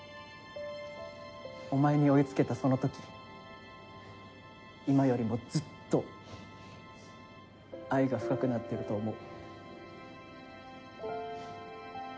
お前に追い付けたその時今よりもずっと愛が深くなってると思う。